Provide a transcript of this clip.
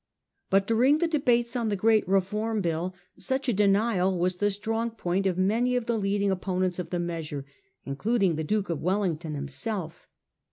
But during the debates on the great Reform Bill such a denial was the strong point of many of the leading opponents of the measure, in cluding the Duke of Wellington himself.